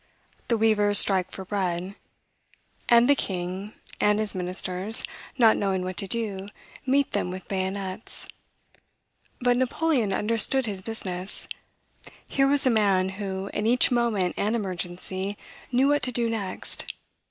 The weavers strike for bread; and the king and his ministers, not knowing what to do, meet them with bayonets. But Napoleon understood his business. Here was a man who, in each moment and emergency, knew what to do next.